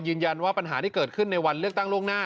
ยืนยันว่าปัญหาที่เกิดขึ้นในวันเลือกตั้งล่วงหน้า